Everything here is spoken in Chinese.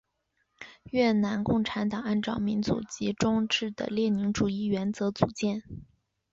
越南共产党按照民主集中制的列宁主义原则组建。